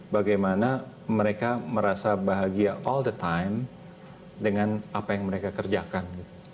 bagaimana mereka merasa bahagia all the time dengan apa yang mereka kerjakan